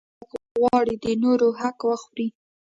دا ټنبل خلک غواړي د نورو حق وخوري.